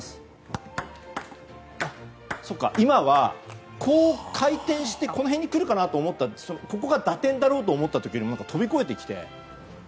今は、こう回転してこの辺に来るかなと思ったらここが打点だと思った時に飛び越えてきて。